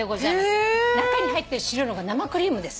中に入ってる白いのが生クリームです。